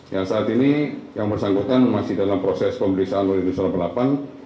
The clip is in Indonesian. yang saat ini yang bersangkutan masih dalam proses pemeriksaan oleh industri delapan